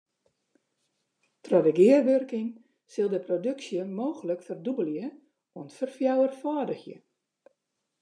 Troch de gearwurking sil de produksje mooglik ferdûbelje oant ferfjouwerfâldigje.